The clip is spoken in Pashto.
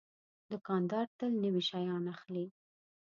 دوکاندار تل نوي شیان اخلي.